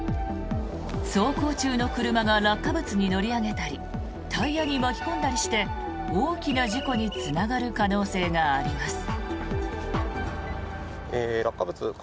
走行中の車が落下物に乗り上げたりタイヤに巻き込んだりして大きな事故につながる可能性があります。